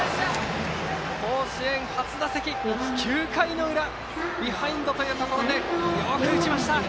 甲子園初打席、９回の裏ビハインドというところでよく打ちました。